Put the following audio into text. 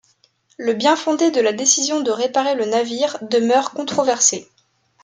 Le bien-fondé de la décision de réparer le navire demeure controversé.